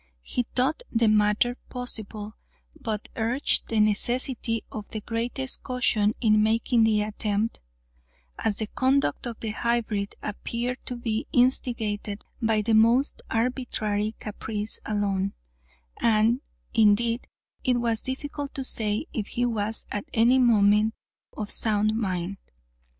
He thought the matter possible, but urged the necessity of the greatest caution in making the attempt, as the conduct of the hybrid appeared to be instigated by the most arbitrary caprice alone; and, indeed, it was difficult to say if he was at any moment of sound mind.